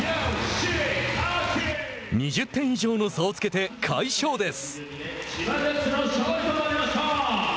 ２０点以上の差をつけて快勝です。